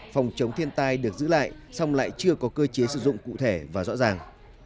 phòng chống thiên tai được giữ lại song lại chưa có cơ chế sử dụng cụ thể và rõ ràng